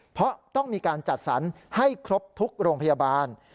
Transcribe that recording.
เพราะต้องมีการจัดสรรให้ครบทุกโรงพยาบาล